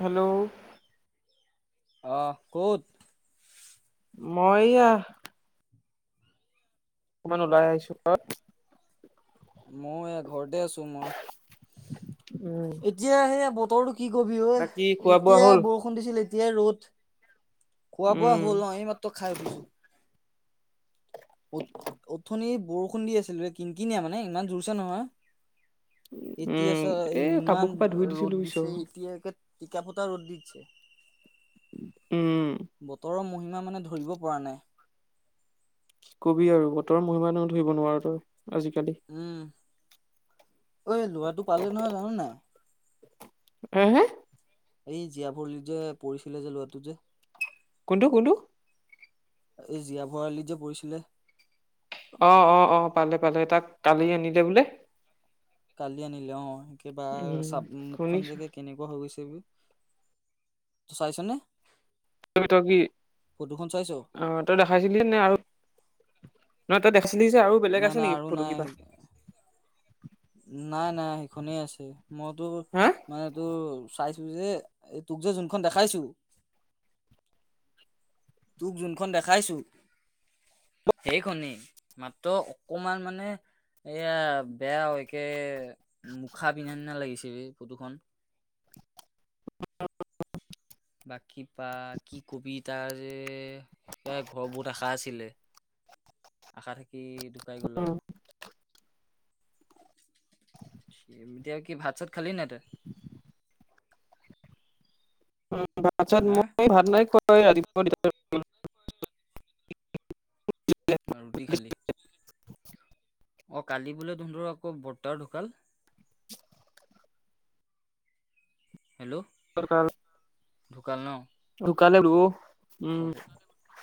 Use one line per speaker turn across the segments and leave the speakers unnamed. Hello.
অহ ক'ত।
মই এইয়া। অকমান ওলাই আহিছোঁ তই।
মই এয়া ঘৰতে আছোঁ মই।
উম
এতিয়া সেইয়া বতৰটো কি কবি অই
বাকী খোৱা বোৱা
এতিয়া
হ'ল
বৰষুণ দিছিল এতিয়াই ৰ'দ। খোৱা বোৱা
উম
হ'ল অ আমি মাত্ৰ খাই উঠিছো। অথনি বৰষুণ দি আছিলে কিনকিনিয়া মানে ইমান জোৰছে নহয়। এতিয়া
উম
চা
এই কাপোৰ
ইমান
সোপা ধুই দিছিলো
ৰ'দ
পিছ
দিছে এতিয়া। টিকা ফটা ৰ'দ দি দিছে।
উম
বতৰৰ মহিমা মানে ধৰিব পৰা নাই। [inaudible]
কবি আৰু বতৰৰ মহিমা ধৰিব নোৱাৰোঁ তই আজিকালি।
অ ল'ৰাটো পালে নহয় জানো নে নাই।
উম। [unintelligible]
এই জীয়া ভৰিলত যে পৰিছিলে যে ল'ৰাটো যে।
কোনটো কোনটো। [inaudible]
এই জীয়াভৰালিত যে পৰিছিলে।
অ অ অ পালে পালে তাক কালি আনিলে বোলে।
কালি আনিলে অ কিবা
উম
চাব মুখখন
শুনিছো
যে কেনেকুৱা হৈ গৈছে। [inaudible] চাইছা নে।
ত তই কি, অ তই দেখাইছিলি নে আৰু নহ তই আছিলি‌ যে আৰু বেলেগ
নাই
আছে
নাই
নেকি
আৰু
ফটো
নাই
কিবা।
নাই, নাই সেইখনেই আছে মইতো
হা
মানে তোৰ চাই তোৰ যে এই তোক যে যোনখন দেখাইছো। তোক যোনখন দেখাইছো। সেইখনি মাত্ৰ অকমান মানে এয়া বেয়া একে মুখা পিন্ধা নিচিনা লাগিছিল ফটোখন।
অ
বাকী বাদ কি কবি তাৰ যে। তাৰ ঘৰৰ বহুত আশা আছিলে আশা। কি ঢুকাই গ'ল অ আৰু। [inaudible] এতিয়া কি ভাত চাত খালি নে নাই তই। [inaudible]
ভাত চাট
হা
মই ভাত নাই খোৱা ৰাতিপুৱা। [unintelligible]
ৰুটি খালি। অ কালি বোলে তহঁতৰ আকৌ বৰতা ঢুকাল। হেল্ল' ঢুকাল ন।
কালেলো।
খবৰ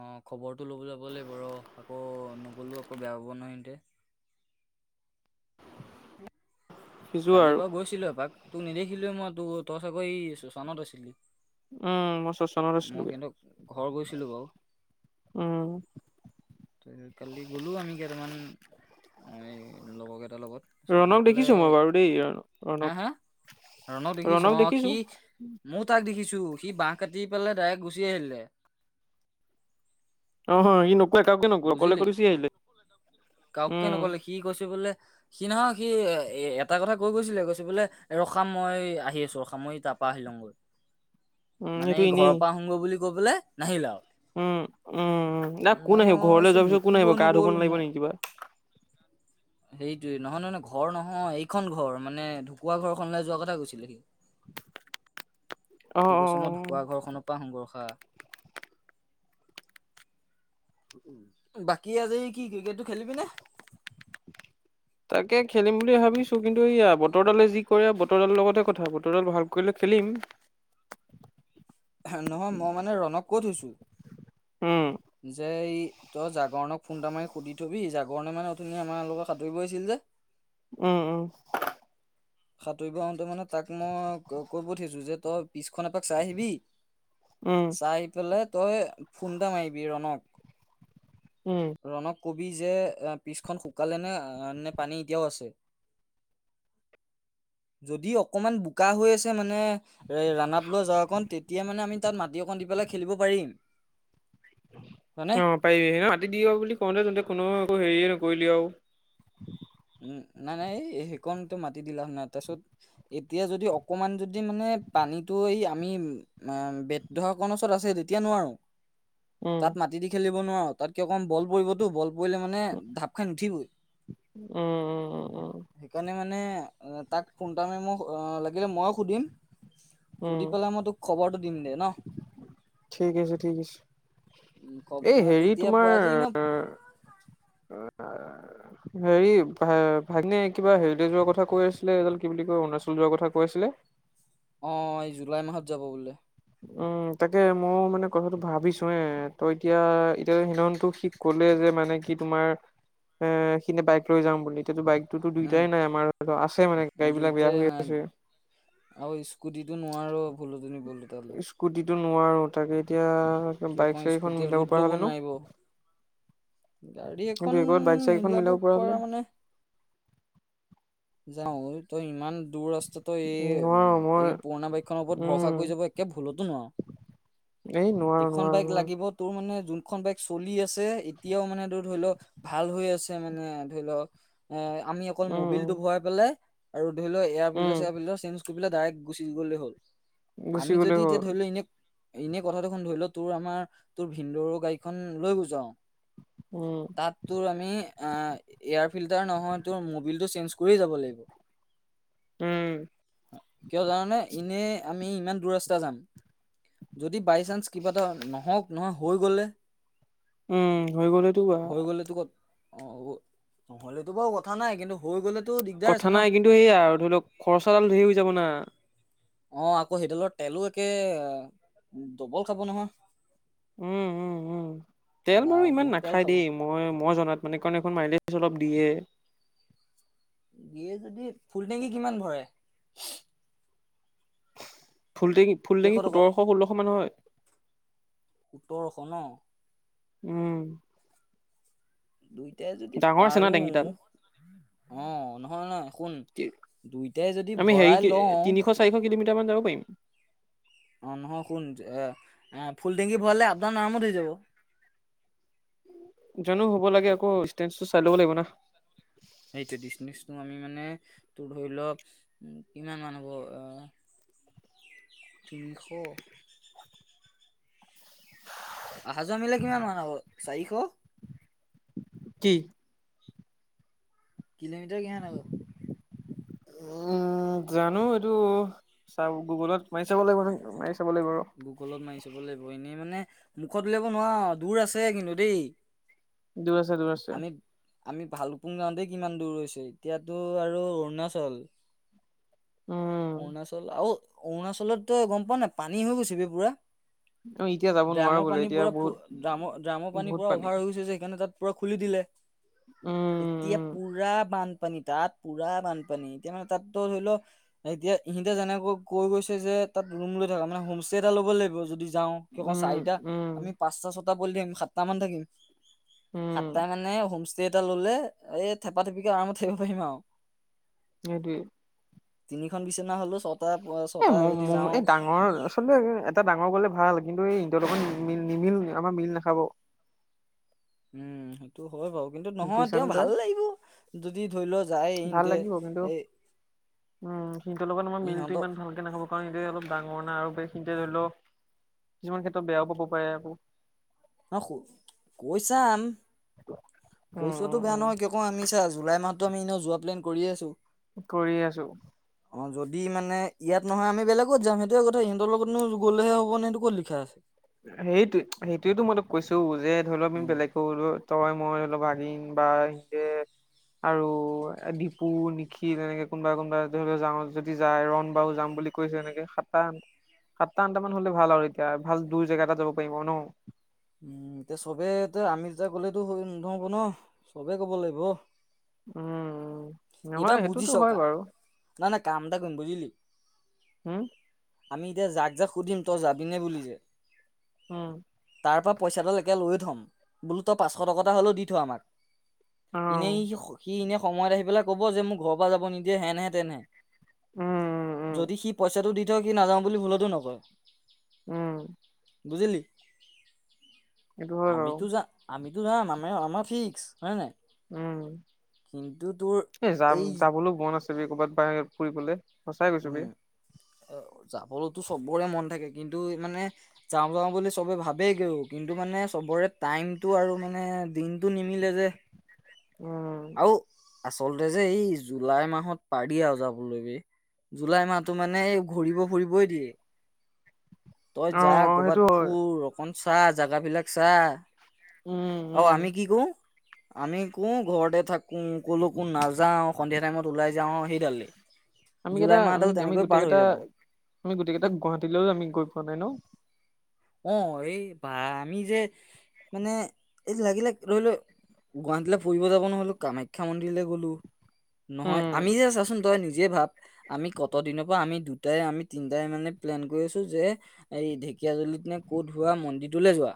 আহ। খবৰটো ল'বলৈ যাব লাগিব ৰহ, আকৌ নগ'লো আকৌ বেয়া পাব‌ নহয় ইহেতে।
সিজো আৰু
কালিৰ বাৰু গৈছিলো এপাক তোক নেদেখিলোে মই তোৰ ত চাগৌ শশানত আছিলি।
অ' মষ্ট শশ্বানত
মই
আছিললো
সিহঁতক ঘৰ গৈছিলো বাৰু
উম।
তাৰত কালি গ'লো আমি কেইটামান লগৰ কেই
ৰণক দেখিছো মই বাৰু দেই
হা হা
ৰণক।
ৰণক দেখিছো অ সি মোৰ তাক দেখিছো। ছো সি বাহ কাটি পেলাই ডাইৰেক্ট গুচি আহিলে।
অহ সি নকোৱা একে নকোৱা কলে কৰিছেি আহিলে।
কাওকে
উম
নকলে সি কৈছে বোলে সি নহয় সি এ এটা কথা কৈ গৈছিলে, কৈছে বোলে ৰখা মই আহি আছো ৰখা মই তাৰপৰা আহিিলওঁগৈ।
উম
মানে
সেইটো
এই ঘৰৰ
এনেই
পৰা আহুগ বুলি কৈপেলাই নাহিলে আৰু।
উম, উম, উম, ন কোন
মানে
আহিব
মই
ঘৰলৈ
ভাবিছো
যোৱাৰ পিছত
মোকো
কোন
কৈ
আহিব গা ধুব
নগ'ল
নালাগিব নে কিবা।
সেইটোয়ে নহয় নহ মানে ঘৰ নহয় এইখন ঘৰ মানে ঢুকুৱা ঘৰখনলৈাই যোৱা কথা কৈছিলে সি লয়
অ
সি
অ
কৈছে মই ঢকুৱা ঘৰখনৰ পৰা আহোগৈ উ বাকী আজি কি ক্ৰিকেটটো খেলিবিনে?
তাকে খেলিম বুলি ভাবিছো কিন্তু এইয়া বতৰডালে যি কৰে বতৰ ডালৰ লগতে কথা বতৰডাল ভাল কৰিলে খেলিম।
নহয় মই মানে ৰণক কত থৈছো।
উম
যে ই তই জাগৰণক ফোন টা মাৰি সুধি থবি জাগৰণে মানে অথুননি আমাৰ লগত সাঁতুৰিব আহিছিল যে [unintelligible]
উম, উম।
সাঁতৰিব হওঁতে মানে তাক মই কৈইপঠিয়াছো যে তই পিছখন এপাক চাই আহিবি।
উম
চাই পেলাই তই ফোন এটা মাৰিবি ৰণক।
উম।
ৰণক কবি যে পিছখন শুকালে নে নে পানী এতিয়াও আছে [inaudible] যদি অকমান বোকা হৈ আছে মানে ৰাণপ লোৱা ৱযো কণ তেতিয়া মানে আমি তাত মাটি অকণ দি পেলাই খেলিব পাৰিম। হয়নে
অ পাৰিবি মাটি দিব বুলি কওঁতে যন্ততে কোনো আকৌ হেৰি [unintelligible]
নাই নাই এই সেইকণটো মাতি দিলা হয় নাই তাৰ পিছত এতিয়া যদি অকমান যদি মানে পানী কিন্তু এই আমি বেদাক ওচৰত আছে তেতিয়া নোৱাৰো।
উম
তাত মাটি দি খেলিব নোৱাৰো তাত কিয় কম বল পৰিবতো বল বইলে মানে ঢাপ খাই উঠিবই।
উম, উম, উম, উম,
মানে তাক ফোন তাক মাৰি লাগিলে মইয়ে সুধিম। সুধি
উম
পেলাই মই তোক খবৰটো দিম দেহ ন।
ঠিক আছে ঠিক আছে
উম খ
এ
মানে
হেৰি
তেতিয়া
তোমাৰ
পোৱা আজি ন [unintelligible]
হেৰি ভ ভাইনে কিবা হেৰিতেজোৱাৰ কথা কৈ আছিলে এডাল কি বুলি কয় অৰুণাচল যোৱাৰ কথা কৈ আছিলে।
অ এই জুলাই মাহত যাব বোলে।
উম তাকে ময়ো মানে কথাটো ভাবিছো হে তই এতিয়া এতিয়া হেদনাতোক সি ক'লে যে মানে কি তোমাৰ সিদিনা বাইক লৈ যাম বুলি এতিয়াটো এতিয়া টোতো
উম
দুইটাই নাই আমাৰ আছে মানে গাড়ী বিলাক বেয়া
দুইটাই
হৈ
নাই
আছে।
আৰু স্কুটিটো নোৱাৰো ভুলটো নিবলে।
স্কুটিটো নোৱাৰো তাকে এতিয়া
কিয়
বাইক
কওঁ
চাইক এখন
স্কুটিয়ে লোড
মিলাব পৰা
ল'ব
হ'লে ন।
নোৱাৰিব গাড়ী এখন
সেইটো একৰত বাইক চাইক এখন মিলাব পৰা হলে।
যাওঁ তই ইমান দূৰ ৰা তো এই
নোৱাৰো
উম,
মই
পুৰণা বাইক খনৰ ওপৰত ভৰসা
উম
কৰি যাব একে ভুলতো নোৱা ৰ'।
এই নোৱাৰো
এইখন
নোৱাৰো
বাইক
নোৱাৰো
লাগিব তোৰ মানে যোনখন বাইক চলি আছে এতিয়াও মানে তোৰ ধৰি ল' ভাল হৈ আছে মানে ধৰি ল' এ আমি অকল
উম
মোবিল
উম
টো ভৰাই পেলাই আৰু ধৰি ল' air
um
filter chair filter change বস্তুবিলাক ডাইৰেক্ট গুচি গ'লে হ'ল,
গুচি
আমি
গ'লে
যদি
হ'ল
এতিয়া ধৰি ল' এনে এনেই কথা দেখনোন ধৰি ল' তোৰ আমাৰ তোৰ ভিনদেউৰ গাড়ীখন লৈ গুজাও
উম
তাত তোৰ আমি এয়াৰ ফিল্টাৰ নহয় তোৰ মবিলটো চেঞ্জ কৰি যাব লাগিব,
উম
কিয় জাননে এনেই আমি আমি ইমান দূৰ ৰাস্তা যাম, যদি বাইচানস কিবা এটা নহক নহয় হৈ গলে।
উম, হৈ গ'লে তো
হৈ গ'লেতো ক'ত অ, নহ'লেতো বাৰু কথা নাই কিন্তু হৈ গ'লে
কথা নাই কিন্তু সেয়া আৰু ধৰি লওক খৰচাডাল ধেৰ হৈ যাব না।
অ', আকৌ সেইডালৰ তেলো একে দবল খাব নহয়।
উম, উম, উম, তেল
বা
বাৰু ইমান
বহুত তেল
নাখায়
খাব
দেই মই-মই জনাত মানে কাৰণ এইখন মাইলেজ অলপ দিয়ে।
দিয়ে যদি ফুল টেংকি কিমান ভৰাই?
ফুল টেঙি
কেইশ
ফুলটেঙি
টকা
সোতৰশ ষোলশ মান হয়।
সোতৰশ ন।
উম,
দুইটাই যদি
ডাঙৰ আছে না টেংকিডাল
পাৰোঁ অ', নহয় নহ শুন। দুইটাই যদি
আমি হেৰি
ভৰাই লওঁ
তিনিশ চাৰিশ কিলোমিটাৰ মান যাব পাৰিম।
অ', নহয় শুন এ ফুল টেংকি ভৰালে আপডাউন আৰামত হৈ যাব। [inaudible]
জানো হ'ব লাগে আকৌ ডিষ্টেন্সটো চাই ল'ব লাগিব ন।
সেইটো ডিচমিচটো আমি মানে, তোৰ ধৰি ল' কিমান মান হ'ব আ, তিনিশ। আহা যোৱা মিলাই কিমান মন হাব চাৰিশ?
কি?
কিলোমিটাৰ কিমান হ'ব?
উম, উম, জানো এইটো চাব গুগলত মাৰি চাব লাগিব ন মাৰি চাব লাগিব ৰ
গুগলত মাৰি চব লাগিব, এনেই মানে মুখত উলিয়াব নোৱা ৰ' দূৰ আছে কিন্তু দেই।
দুৰ আছে। দুৰ আছে।
আমি আমি ভালুকপুং যাওঁতে কিমান দূৰ হৈছে, এতিয়াতো আৰু অৰুণাচল!
উম
অৰুণাচল। আও। অৰুণাচলতটো গম পোৱা নে নাই, পানী হৈ গৈছে বে পুৰা।
অ এতিয়া যাব নোৱাৰো
ড্ৰামৰ
বোলে
পানী
এতিয়া
পুৰা,
বহুত
ড্ৰামৰ- ড্ৰামৰ পানী পুৰা অভাৰ হৈ গৈছে যে, সেইকাৰণে তাত পুৰা খুলি দিলে, এতিয়া
উম
পুৰা বান বান পানী। তাত পুৰা বানপানী। এতিয়া মানে তাত তো- ধৰি ল- এতিয়া ইহিতে যেনেকৈ কৈ গৈছে যে তাত ৰুম লৈ থকা মানে - হোমষ্টেই এটা ল'ব লাগিব। যদি যাওঁ। কিয় ক
উম
চাৰিটা
উম
আমি পাঁচটা- ছটা [unintelligible] সাতটামান থাকিম। সাতটা
উম
মানে হোমষ্টে এটা ললে এই থেপা থেপিকে আৰামত থাকিব পাৰিম আৰু।
সিটোৱে।
তিনিখন বিচনা হলেও ছটা ছটা যদি যাওঁ।
হ'ল আচলতে এটা ডাঙৰ গ'লে ভাল কিন্তু এই তেওঁলোকৰ নিমিল আমাৰ মিল নাখাব।
উম, সেইটো হয় বাৰু কিন্তু নহয়
বুজিছানে
তেওঁ
তই
ভাল লাগিব যদি ধৰি ল' যায়
ভাল
সিহঁতে
লাগিব কিন্তু
এ
উম, সিহঁতৰ লগত আমাৰ মিলটো
ইহঁতক
ইমান ভালকে নাখাব কাৰণ সেতে অলপ ডাঙৰ না আৰু [unintelligible] খিনিতে লৈ লও, কিছুমান ক্ষেত্ৰত বেয়াও পাব পাৰে আকৌ।
ন, কৈ চাম।
উম
কৈ চোৱাটো
উম
বেয়া
উম
নহয়। কিয় কওঁ, আমি চা- জুলাই মাহতটো আমি এনেও যোৱা প্লেন কৰি আছো।
কৰি আছো।
অ যদি মানে, ইয়াত নহয় আমি বেলেগত যাম। সেইটোয়ে কথা। সিহতৰ লগতনো গ'লেহে হব নে, সেইটো ক'ত লিখা আছে।
সেইটোয়ে। সেইটোয়েটো মই তোক কৈছো, যে- ধৰি লও আমি
উম
বেলেগকৈ গলোঁ হয়। তই- মই অলপ দিম। বা হিনতে আৰু দিপু, নিখিল। এনেকে কোনোবা -কোনোবা ধৰি লও যাওঁ যদি যায়। ৰন বা যাওঁ বুলি কৈছে। এনেকে। সাতটা, সাতটা- আঠটামান হলে ভাল আৰু এতিয়া। ভাল দূৰ জেগা এটা যাব পাৰিম, আও ন।
উম। এতিয়া চবে, এতিয়া আমি দুটা গলেতো হৈ নহব ন। চবে ক'ব লাগিব।
উম। উম
এইবাৰ
নহয় সেইটোতো
বুজিছ,
হয়
কা
বাৰু
-নাই। নাই। কাম কৰিম। বুজিলি?
হো?
আমি এতিয়া যাক- যাক সুধিম, তই যাবিনে বুলি যে
উম।
তাৰপৰা পইচাডাল একে লৈয়ে থ'ম। বোলো- তই পাঁচশ টকা এটা হ'লেও দি থ' আমাক।
অ
এনেই। সি এনে সময়ত আহি পেলাই কব যে, মোক ঘৰৰ পৰা যাব নিদিয়ে। হেনহে- তেনহে
উম উম উম
যদি সি পইচাটো দি থয়, সি নাযাওঁ বুলি ভুলতো নকয়।
উম।
বুজিলি?
এইটো হয় বাৰু
আমিতো যা- আমি তো যাম। আমা- আমাৰ ফিক্স। হয় নে নাই।
উম।
কিন্তু তোৰ
এ যাম
এই
যাবলৈ মন আছে বে, ক'বাত বা ফুৰিবলৈ।
উম। এ যাবলৈতো চবৰে মন থাকে। কিন্তু মানে যাওঁ- যাওঁ বুলি চবে ভাবে গেও। কিন্তু মানে চবৰে, টাইমতটো আৰু মানে দিন টো নিমিলে যে
উম
আৰু, আচলতে যে -এই জুলাই মাহত পাৰি আৰু যাবলৈ বে। জুলাই মাহটো মানে এই ঘূৰিব, ফুৰিবই দিয়ে। তই
অ
যা।
অ সেইটো
কৰ'বাত
হয়
ফুৰ। অকন চাহ জেগাবিলাক চা।
উম
অ
উম
আমি কি কৰোঁ আমি কওঁ। ঘৰতে থাকো। কলৈকো নাযাওঁ। সন্ধিয়া টাইমত ওলাই যাওঁ। সেইডালেই
আমি কেইটা, আমি -আমি গোটেই কেইটা, আমি গোটেই কেইটা গুৱাহাটীলৈও, আমি গৈ পোৱা নাই। ন?
অ'। এই বা আমি যে, মানে -এই লাগিলে ৰৈ -লৈ গুৱাহাটীলৈ ফুৰিব যাব ন-হলো। কামাখ্যা মন্দিৰলৈ গ'লো। নহয়-
উম
আমি যে চাচোন তই নিজ যিয়ে ভাব আমি কত দিনৰ পৰা আমি দুটাই আমি তিনিটাই মানে প্লেন কৰি আছো যে এই ঢেক জলিত নে ক'ত ধোৱা মন্দিৰটোলৈ যোৱা।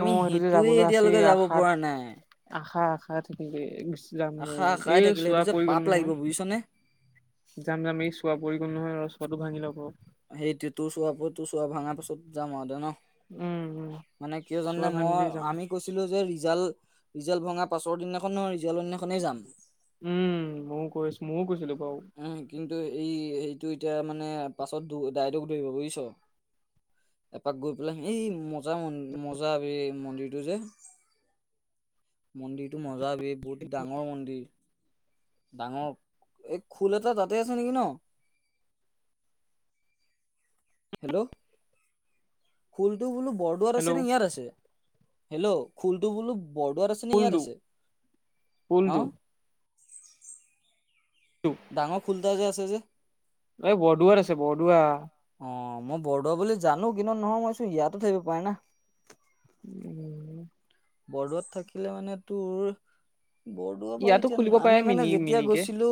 অ সেইটো যে
সেইটোৱে
যাবলৈ
এতিয়ালৈকে যাব পৰা নাই।
খা থাকিলে যাম ন
আশা
যাম
আশাই
এই
থাকিলে
চোৱা
সেইটো যে
পৰি গ'ল
পাপ লাগিব
নহয়
বুজিছনে
যাম যাম, এই চোৱা পৰি নহয় ৰ পাতটো ভাঙি ল প।
সেইটো তোৰ চোৱাৰাব তোৰ চোৱা ভাঙা পাছত যাম আহঁতে ন?
উম উম
মানে কিয় জানে
চোৱা
মই
ভাঙিলেই যাম
আমি কৈছিলো যে ৰিজাল্ট ৰিজাল্ট ভঙা পাছৰ দিনাখন ৰিজাল্টৰ দিনাখনেই যাম
উম। মও কৈছো। ময়ো কৈছিলো বাও।
উম। কিন্তু এই- সেইটো এতিয়া মানে পাছত দাই- দোষ ধৰিব বুজিছ? এপাক গৈ পেলাই, এই মজা মন- মজা বে এই মন্দিৰটো যে মন্দিৰটো মজা বে। বহুত ডাঙৰ মন্দিৰ। ডাঙৰ। এই খোল এটা তাতে আছে নেকি? ন। হেল্ল'। খোলটো বোলো, বৰদোৱাত আছে
হেল্ল'
নে? ইয়াত আছে? হেল্ল'! খোলটো বোলো বৰদোৱাত আছে নে?
কোনটো
ইয়াত আছে?
কোনটো
অ'হ। ডাঙৰ খুলদা যে আছে যে।
এই বৰদুৱাত আছে বৰদোৱা।
অ' মই বৰদোৱা বুলি জানো কিন্তু নহয় মইছো ইয়াতো থাকিব পাৰ না।
[inaudible]
বৰদোৱাত থাকিলে মানে তোৰ বৰদোৱা
ইয়াতো
পৰাতিন
খুলিব পাৰে
আমি মানে
মিনি
যেতিয়া
মিনিকে
গৈছিলো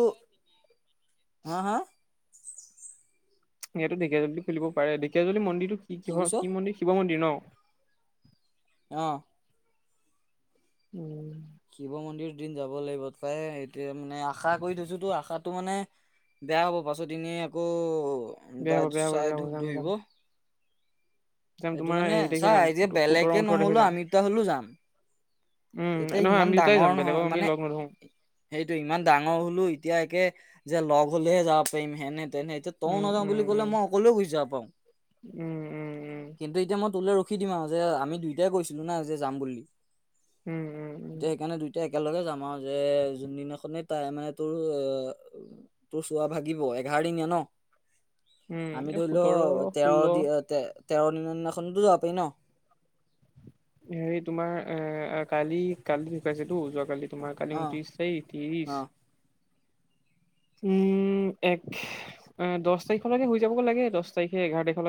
হা হা?
ইয়াতো ঢেকীয়াজুলী খুলিব পাৰে ঢেকীয়াজুলী মন্দিৰটো কিহৰ কি মন্দিৰ শিৱ মন্দিৰ ন? [inaudible]
আহ।
[inaudible]
শিৱ মন্দিৰ দিন যাব লাগিব প্ৰায় এতিয়া মানে আশা কৰি থৈছো তো আশাতটো মানে বেয়া হ'ব পাছত এনে
বেয়া
আকৌ
হ'ব বেয়া হ'ব
চাই
বেয়া হ'ব
ধোক
যাম যাম
ধৰিব।
যাম
এইটো
তোমাৰ
মানে
হেৰি
চা
তাৰিখে যাম
যে
সোতৰ
বেলেগে
ওঠৰ তাৰিখে
নহলেও
যাম
আমিটা হলেও যাম।
উম,
এতিয়া
নহয়
ইমান
আমি দুটাই
ডাঙৰ
যাম বেলেগক
নহয়
আমি
মানে,
লগ নধৰো।
সেইটো ইমান ডাঙৰ হলো এতিয়া একে যে লগ হ'লেহে যাব পাৰিম হেনে তেনে এতিয়া তইও
উম,
নাযাও
উম,
বুলি ক'লে
উম,
মই সকলোৱও গুচি যাব, পাও
উম, উম, উম।
কিন্তু এতিয়া মই তলৈ ৰখি দিম আৰু যে আমি দুইটাই কৈছিলো না যে যাম বুলি।
উম উম উম।
এতিয়া সেইকাৰণে দুইটাই একেলগে যাম আৰু যে যোনদিনাখনে তাই মানে তোৰ তোৰ চোৱা ভাগিব এঘ চাৰ দিনীয়া ন,
উম,
আমি
এই
ধৰি
সোতৰ,
লও
ষোল্ল
তেৰ দি তে তেৰ দনৰ দিনাখনতো যাব পাৰি ন?
হেৰি তোমাৰ এ কালি কালি দেখুৱাইছেতো যোৱা কাল তোমাৰ কালি
অ
ঊনত্ৰিছ চি ত্ৰিছ।
অ [inaudible]
উম এক দহ তাৰিখলৈকে হৈ যাব লাগে দহ তাৰিখে এঘাৰ তাৰিখলৈকে।